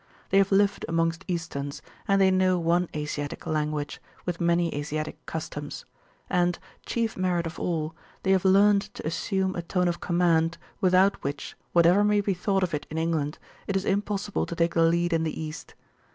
They have lived amongst Easterns, and they know one Asiatic language, with many Asiatic customs; and, chief merit of all, they have learned to assume a tone of command, without which, whatever may be thought of it in England, it is impossible to take the lead in the East.